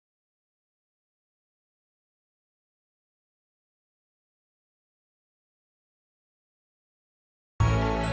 terima kasih sil